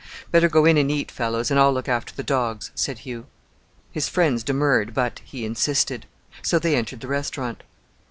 "Better go in and eat, fellows, and I'll look after the dogs," said Hugh. His friends demurred, but he insisted; so they entered the restaurant.